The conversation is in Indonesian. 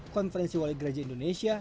konferensi wali gereja indonesia